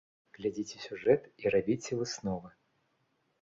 Глядзіце сюжэт і рабіце высновы.